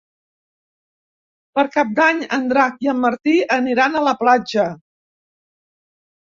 Per Cap d'Any en Drac i en Martí aniran a la platja.